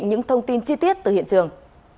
những thông tin chi tiết từ hiện trường